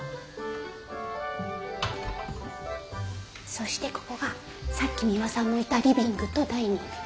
そしてここがさっきミワさんもいたリビングとダイニング。